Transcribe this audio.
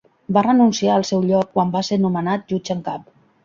Va renunciar al seu lloc quan va ser nomenat jutge en cap.